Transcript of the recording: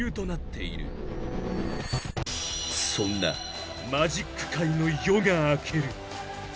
［そんなマジック界の夜が明ける］